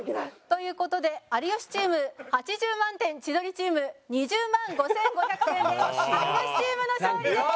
という事で有吉チーム８０万点千鳥チーム２０万５５００点で有吉チームの勝利です！